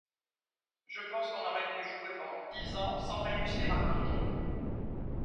Je pense qu'on aurait pu jouer pendant dix ans sans réussir à marquer.